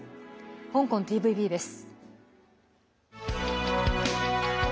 香港ＴＶＢです。